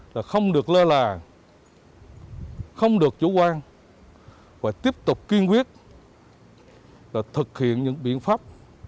là không được lơ là không được chủ quan và tiếp tục kiên quyết thực hiện những biện pháp